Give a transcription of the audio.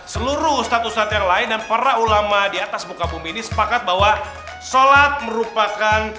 seluruh ustadz ustadz yang lain dan para ulama di atas muka bumi ini sepakat bahwa sholat merupakan